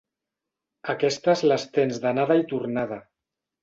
Aquestes les tens d'anada i tornada.